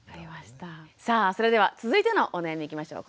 さあそれでは続いてのお悩みいきましょう。